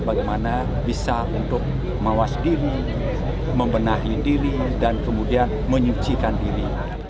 bagaimana bisa untuk mawas diri membenahi diri dan kemudian menyucikan diri